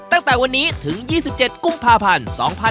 ตั้งแต่วันนี้ถึง๒๗กุมภาพันธ์๒๕๖๒